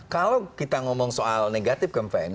kalau kita ngomong soal negatif campaign